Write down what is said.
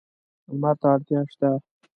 لمر ته اړتیا شته.